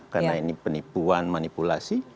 karena ini penipuan manipulasi